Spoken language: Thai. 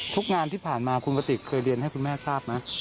ทุกงานที่ผ่านมาคุณกติกเคยเรียนให้คุณแม่ทราบไหม